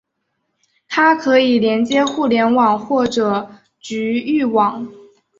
它可以连接互联网或者局域网。